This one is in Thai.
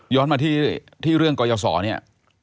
มาที่เรื่องกรยศรเนี่ย